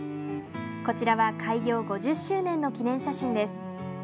こちらは開業５０周年の記念写真です。